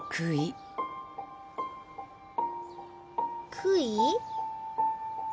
くい？